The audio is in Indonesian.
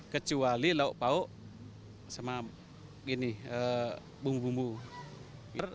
kecuali lauk pauk sama ini bumbu bumbu